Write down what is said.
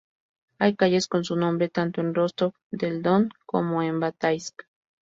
Hay calles con su nombre tanto en Rostov del Don como en Bataisk.